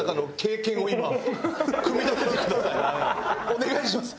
お願いします！